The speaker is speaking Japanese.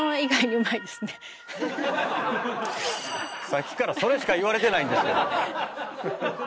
さっきからそれしか言われてないんですけど。